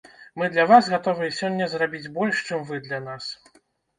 Мы для вас гатовыя сёння зрабіць больш, чым вы для нас.